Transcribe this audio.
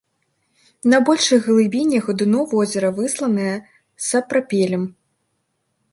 На большых глыбінях дно возера высланае сапрапелем.